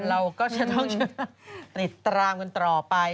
เราก็จะต้องติดตามกันต่อไป